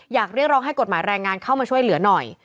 เรียกร้องให้กฎหมายแรงงานเข้ามาช่วยเหลือหน่อย